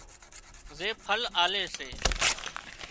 زي ڦل آلي سي